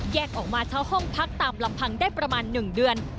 ออกมาเช่าห้องพักตามลำพังได้ประมาณ๑เดือน